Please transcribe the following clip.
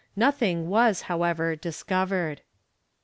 Nothing was, however, discovered.